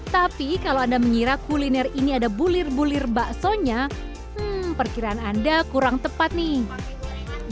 tapi kalau anda mengira kuliner ini ada bulir bulir baksonya perkiraan anda kurang tepat nih